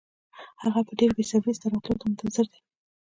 هغه په ډېره بې صبرۍ ستا راتلو ته منتظر دی.